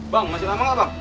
bang masih lama nggak bang